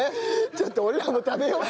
ちょっと俺らも食べよう。